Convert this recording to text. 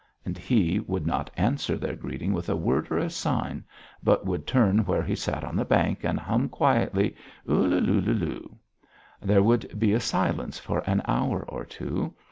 And he would not answer their greeting with a word or a sign, but would turn where he sat on the bank and hum quietly: "U lu lu lu." There would be a silence for an hour or two.